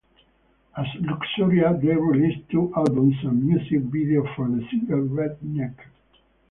As Luxuria they released two albums and a music video for the single "Redneck".